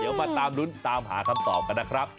เดี๋ยวมาตามลุ้นตามหาคำตอบกันนะครับ